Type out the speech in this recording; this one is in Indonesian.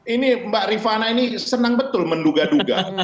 ini mbak rifana ini senang betul menduga duga